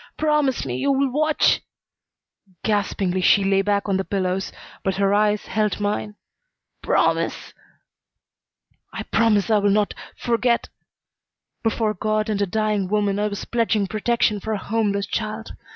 Promise me you'll watch " Gaspingly she lay back on the pillows, but her eyes held mine. "Promise " "I promise I will not forget." Before God and a dying woman I was pledging protection for a homeless child.